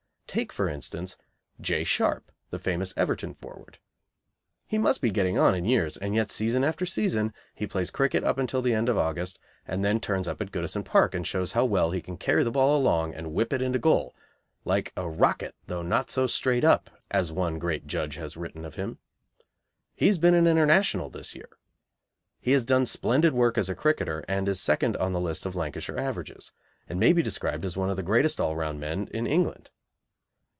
Take, for instance, J. Sharp, the famous Everton forward. He must be getting on in years, and yet season after season he plays cricket up till the end of August and then turns up at Goodison Park and shows how well he can carry the ball along and whip it into goal, like "a rocket, though not so straight up," as one great judge has written of him. He has been an International this year. He has done splendid work as a cricketer, and is second on the list of Lancashire averages, and may be described as one of the greatest all round men in England.